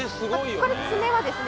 これ爪はですね